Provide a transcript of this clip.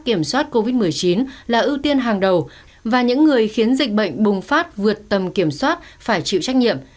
kiểm soát covid một mươi chín là ưu tiên hàng đầu và những người khiến dịch bệnh bùng phát vượt tầm kiểm soát phải chịu trách nhiệm